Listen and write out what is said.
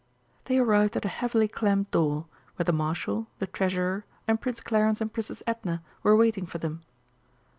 They arrived at a heavily clamped door, where the Marshal, the Treasurer, and Prince Clarence and Princess Edna were waiting for them.